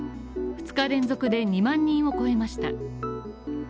２日連続で２万人を超えました。